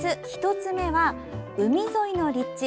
１つ目は海沿いの立地。